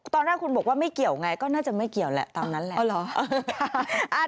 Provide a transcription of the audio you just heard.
ตอนแรกคุณบอกว่าไม่เกี่ยวไงก็น่าจะไม่เกี่ยวแหละตามนั้นแหละ